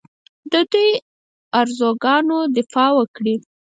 د دوی ارزوګانو دفاع وکړي